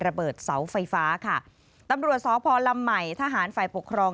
ระเบิดเสาไฟฟ้าค่ะตำรวจสพลำใหม่ทหารฝ่ายปกครอง